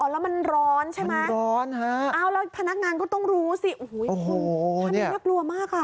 อ๋อแล้วมันร้อนใช่ไหมอ้าวแล้วพนักงานก็ต้องรู้สิคุณท่านนี้นักลัวมาก